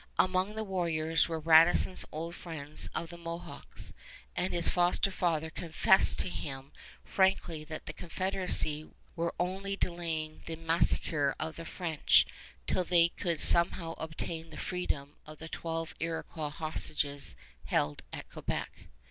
Among the warriors were Radisson's old friends of the Mohawks, and his foster father confessed to him frankly that the Confederacy were only delaying the massacre of the French till they could somehow obtain the freedom of the twelve Iroquois hostages held at Quebec.